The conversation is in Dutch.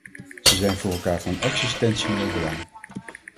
Ze zijn voor elkaar van existentieel belang.